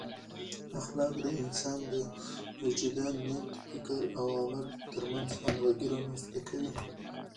اخلاق د انسان د وجدان، نیت، فکر او عمل ترمنځ همغږي رامنځته کوي.